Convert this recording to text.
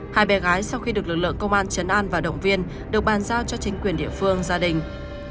hai bé gái sau khi được lực lượng công an chấn an và động viên được bàn giao cho chính quyền địa phương gia đình